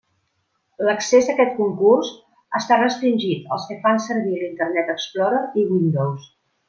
L'accés a aquest concurs està restringit als que fan servir l'Internet Explorer i Windows.